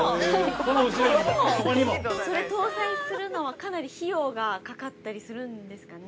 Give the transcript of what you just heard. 搭載するのは、かなり費用がかかったりするんですかね。